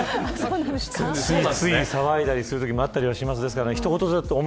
ついつい騒いだりすることもあったりします。